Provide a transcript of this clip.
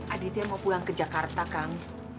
aditya mau pulang ke jakarta kang